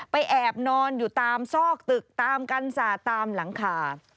แอบนอนอยู่ตามซอกตึกตามกันสาดตามหลังคา